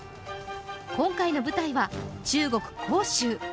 今回の舞台は中国・杭州。